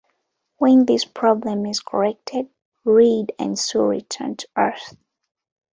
When this problem is corrected, Reed and Sue return to Earth.